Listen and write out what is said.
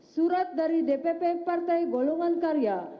surat dari dpp partai golongan karya